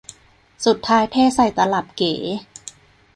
สุดท้ายเทใส่ตลับเก๋